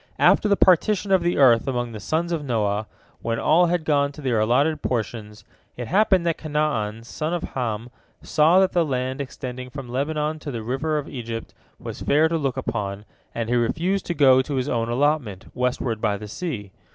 After the partition of the earth among the sons of Noah, when all had gone to their allotted portions, it happened that Canaan son of Ham saw that the land extending from the Lebanon to the River of Egypt was fair to look upon, and he refused to go to his own allotment, westward by the sea.